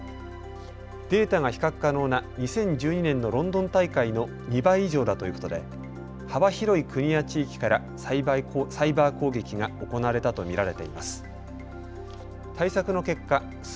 データが比較可能な２０１４年のロンドン大会の２倍以上だということで幅広い国や地域からサイバー攻撃が行われたと見られています。